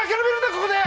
ここで！